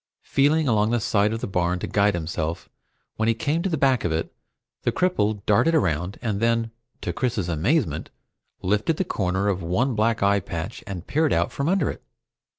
Feeling along the side of the barn to guide himself, when he came to the back of it the cripple darted around, and then, to Chris's amazement, lifted the corner of one black eye patch and peered out from under it!